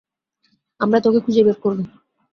আমরা তোকে খুঁজে বের করবো।